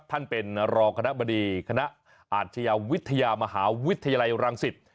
ท่านเป็นรองคณะบดีคณะอาชญาวิทยามหาวิทยาลัยรังสิต